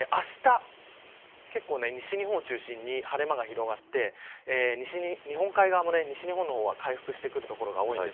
あした結構、西日本を中心に晴れ間が広がって日本海側も西日本の方は回復してくる所が多いです。